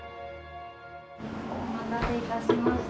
お待たせ致しました。